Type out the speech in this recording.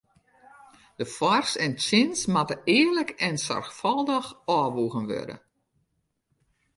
De foars en tsjins moatte earlik en soarchfâldich ôfwoegen wurde.